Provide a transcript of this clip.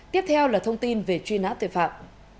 tiếp theo là thông tin về truy nã tội phạm